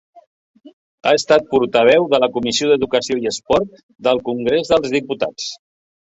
Ha estat portaveu de la Comissió d'Educació i Esport del Congrés dels Diputats.